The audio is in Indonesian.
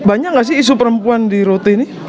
banyak gak sih isu perempuan di rote ini